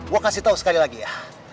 gue kasih tau sekali lagi ya